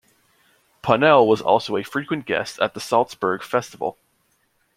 Ponnelle also was a frequent guest at the Salzburg Festival.